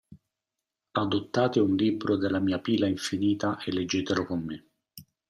Adottate un libro della mia pila infinita e leggetelo con me.